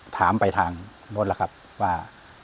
ถามไปทางโน้ตว่า